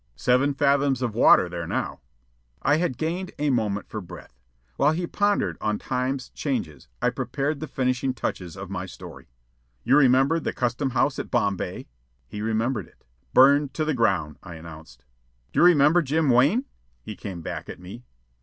"Seven fathoms of water there now." I had gained a moment for breath. While he pondered on time's changes, I prepared the finishing touches of my story. "You remember the custom house at Bombay?" He remembered it. "Burned to the ground," I announced. "Do you remember Jim Wan?" he came back at me.